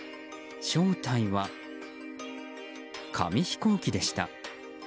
正体は、紙飛行機でした。